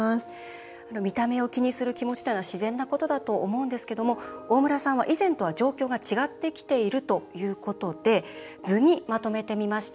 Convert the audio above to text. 見た目を気にする気持ちは自然なことだと思うんですが大村さんは以前とは状況が違ってきているということで図にまとめてみました。